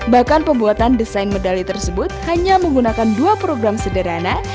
bahkan pembuatan desain medali tersebut hanya menggunakan dua program sederhana